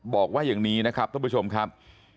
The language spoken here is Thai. บอกว่าอย่างนี้นะครับท่านผู้ชมครับ